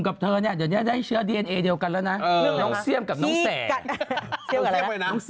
คือเราทำงานเพื่อประชาชน